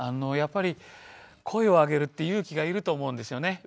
やっぱり声をあげるって勇気がいると思うんですよね。